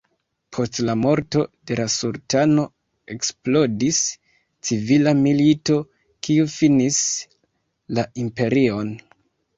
Post la morto de la sultano eksplodis civila milito kiu finis la imperion.